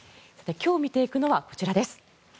今日見ていくのはこちらです。